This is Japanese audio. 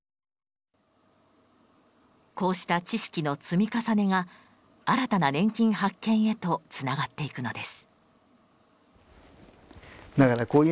こうした知識の積み重ねが新たな年金発見へとつながっていくのです。